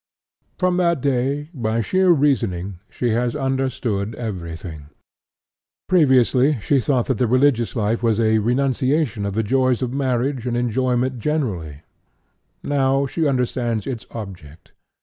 From that day, 'by sheer reasoning,' she has understood everything. Previously she thought that the religious life was a renunciation of the joys of marriage and enjoyment generally; now she understands its object.